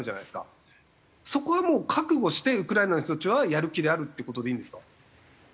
そこはもう覚悟してウクライナの人たちはやる気であるっていう事でいいんですか？